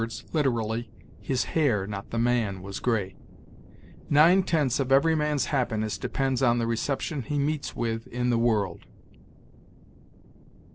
literally, his hair, not the man, was gray. "Nine tenths of every man's happiness depends on the reception he meets with in the world."